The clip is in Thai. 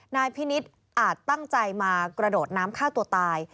นายพินิษฐ์อาจตั้งใจมากระโดดน้ำฆ่าตัวตาย